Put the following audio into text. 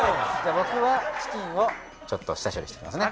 僕はチキンをちょっと下処理しておきますね。